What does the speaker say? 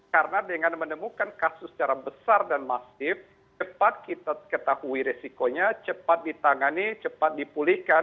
karena dengan menemukan kasus secara besar dan masif cepat kita ketahui resikonya cepat ditangani cepat dipulihkan